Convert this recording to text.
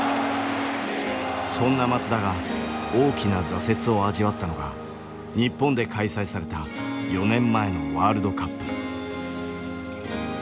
そんな松田が大きな挫折を味わったのが日本で開催された４年前のワールドカップ。